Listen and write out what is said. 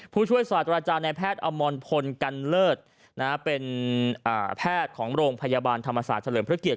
ผู้ช่วยศาสตราจารย์ในแพทย์อมรพลกันเลิศเป็นแพทย์ของโรงพยาบาลธรรมศาสตร์เฉลิมพระเกียรติ